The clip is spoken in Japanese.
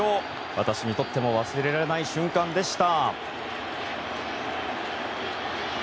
私にとっても忘れられない瞬間でした。